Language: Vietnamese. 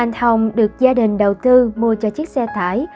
anh hồng được gia đình đầu tư mua cho chiếc xe thải